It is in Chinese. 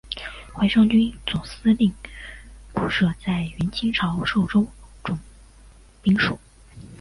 淮上军总司令部设在原清朝寿州总兵署。